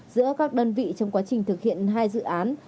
giữa các đơn vị trong quá trình thực hiện hai dự án